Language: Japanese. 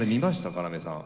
要さん。